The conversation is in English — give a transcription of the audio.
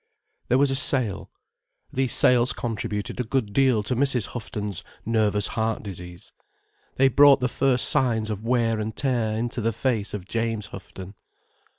There was a sale. These sales contributed a good deal to Mrs. Houghton's nervous heart disease. They brought the first signs of wear and tear into the face of James Houghton.